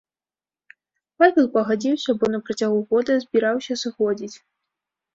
Павел пагадзіўся, бо на працягу года збіраўся сыходзіць.